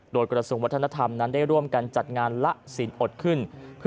โดยกระทรวงวัฒนธรรมนั้นได้ร่วมกันจัดงานละศีลอดขึ้น